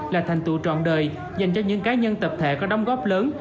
là thành tụ trọn đời dành cho những cá nhân tập thể có đóng góp lớn